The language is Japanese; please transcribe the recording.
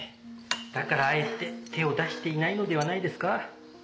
だからあえて手を出していないのではないですか？